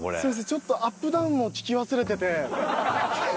ちょっとアップダウンを聞き忘れてて。